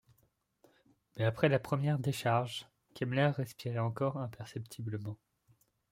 Mais après la première décharge, Kemmler respirait encore imperceptiblement.